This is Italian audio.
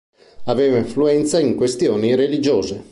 Aveva influenza in questioni religiose.